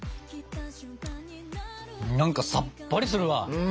何かさっぱりするわ！